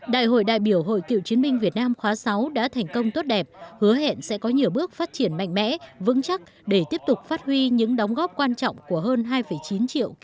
đại hội đại biểu hội cựu chiến binh việt nam khóa sáu đã thành công tốt đẹp hứa hẹn sẽ có nhiều bước phát triển mạnh mẽ vững chắc để tiếp tục phát huy những đóng góp quan trọng của hơn hai chín triệu cựu chiến binh việt nam